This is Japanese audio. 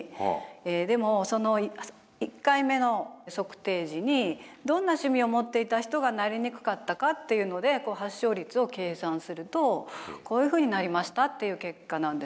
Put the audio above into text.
でもその１回目の測定時にどんな趣味を持っていた人がなりにくかったかっていうので発症率を計算するとこういうふうになりましたっていう結果なんですね。